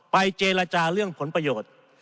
เจรจาเรื่องผลประโยชน์